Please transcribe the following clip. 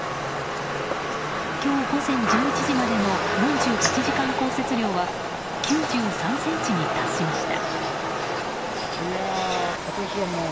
今日午前１１時までの４８時間降雪量は９３ｃｍに達しました。